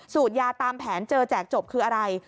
ยาตามแผนเจอแจกจบคืออะไร